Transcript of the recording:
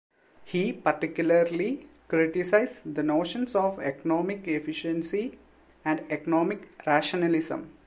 He particularly criticizes the notions of economic efficiency and economic rationalism.